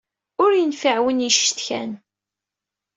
Ur yenfiɛ win yeccetkan.